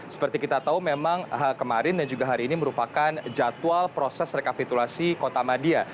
seperti kita tahu memang hal kemarin dan juga hari ini merupakan jadwal proses rekapitulasi kota madia